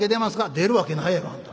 「出るわけないやろあんた。